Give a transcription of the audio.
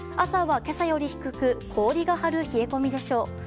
朝は今朝より低く氷が張る冷え込みでしょう。